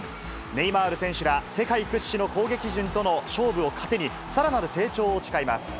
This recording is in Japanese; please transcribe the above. ネイマール選手ら、世界屈指の攻撃陣との勝負を糧に、さらなる成長を誓います。